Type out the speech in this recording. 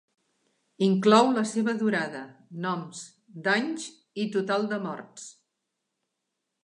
Inclou la seva durada, noms, danys i total de morts.